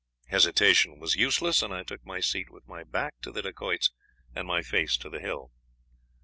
Hesitation was useless, and I took my seat with my back to the Dacoits and my face to the hill.